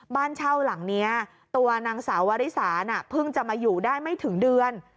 บ้านเช่าหลังนี้ตัวนางสาววริสาน่ะเพิ่งจะมาอยู่ได้ไม่ถึงเดือน